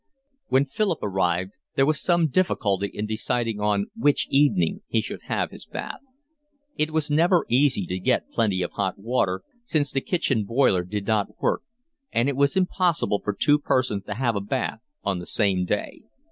When Philip arrived there was some difficulty in deciding on which evening he should have his bath. It was never easy to get plenty of hot water, since the kitchen boiler did not work, and it was impossible for two persons to have a bath on the same day.